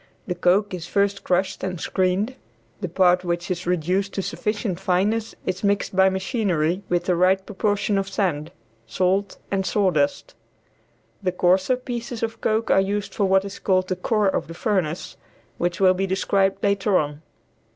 The coke is first crushed and screened, the part which is reduced to sufficient fineness is mixed by machinery with the right proportion of sand, salt and sawdust. The coarser pieces of coke are used for what is called the core of the furnace, which will be described later on.